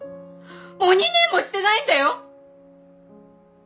もう２年もしてないんだよ！